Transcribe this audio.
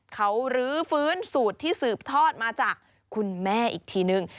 เขารื้อฟื้นสูตรที่สืบทอดมาจากคุณแม่อีกทีนึง